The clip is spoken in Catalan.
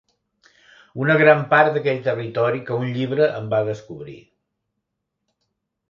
Una gran part d'aquell territori que un llibre em va descobrir.